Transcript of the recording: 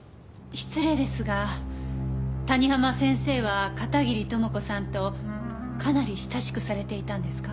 失礼ですが谷浜先生は片桐朋子さんとかなり親しくされていたんですか？